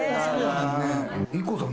ＩＫＫＯさん